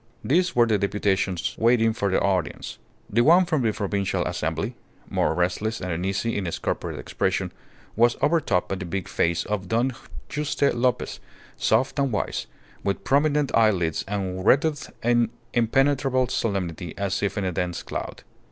These were the deputations waiting for their audience. The one from the Provincial Assembly, more restless and uneasy in its corporate expression, was overtopped by the big face of Don Juste Lopez, soft and white, with prominent eyelids and wreathed in impenetrable solemnity as if in a dense cloud.